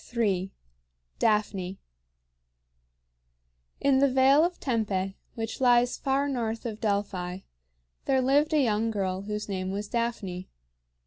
III. DAPHNE. In the Vale of Tempe, which lies far north of Delphi, there lived a young girl whose name was Daphne.